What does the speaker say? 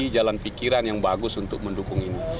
jalan pikiran yang bagus untuk mendukung ini